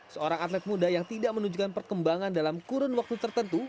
seorang atlet muda yang tidak menunjukkan perkembangan dalam kurun waktu tertentu